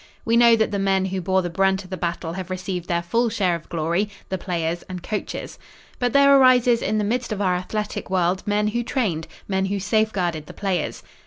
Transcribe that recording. We know that the men who bore the brunt of the battle have received their full share of glory the players and coaches. But there arises in the midst of our athletic world men who trained, men who safeguarded the players.